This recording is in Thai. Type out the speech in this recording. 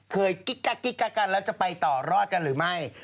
กิ๊กกักกิ๊กกักกันแล้วจะไปต่อรอดกันหรือไม่